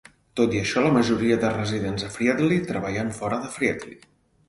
Tot i això, la majoria de residents de Fridley treballen fora de Fridley.